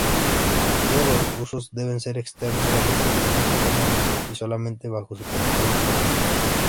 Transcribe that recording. Todos los usos deben ser externos solamente, nunca internamente, y solamente bajo supervisión profesional.